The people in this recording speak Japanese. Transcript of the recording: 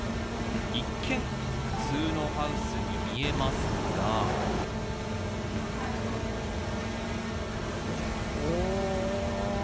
一見普通のハウスに見えますがおお！